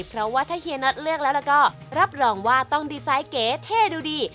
เพราะว่าถ้าเฮียน็อตเลือกแล้วแล้วก็รับรองว่าต้องดีไซน์เก๋เท่ดูดี